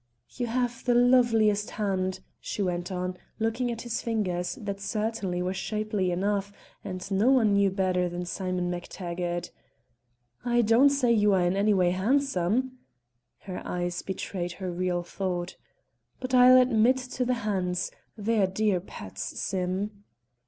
"You have the loveliest hand," she went on, looking at his fingers, that certainly were shapely enough, as no one knew better than Simon Mac Taggart. "I don't say you are in any way handsome," her eyes betrayed her real thought, "but I'll admit to the hands, they're dear pets, Sim."